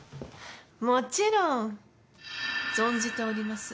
もちろん存じております。